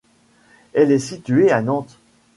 Elle est située à Nantes.